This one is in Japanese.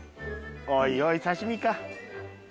おいおい刺身か。